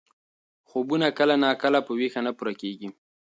خوبونه کله ناکله په ویښه نه پوره کېږي.